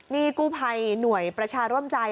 นี่กู้ภัยหน่วยประชาร่วมใจ